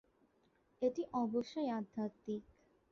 এটি অবশ্যই আধ্যাত্মিক।